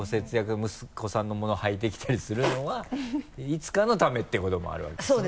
息子さんのものはいてきたりするのはいつかのためってこともあるわけですもんね？